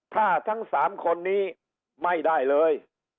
ถ้าทั้ง๓คนนี้ไม่ได้เลย